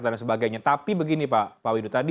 dan sebagainya tapi begini pak widu tadi